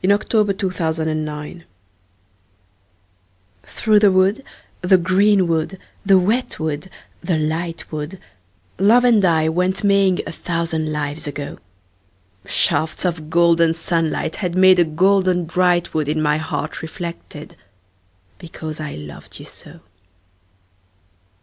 ROSEMARY 51 THROUGH THE WOOD THKOUGH the wood, the green wood, the wet wood, the light wood, Love and I went maying a thousand lives ago ; Shafts of golden sunlight had made a golden bright wood In my heart reflected, because I loved you so.